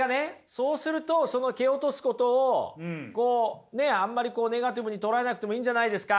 そうするとその蹴落とすことをあんまりネガティブに捉えなくてもいいんじゃないですか？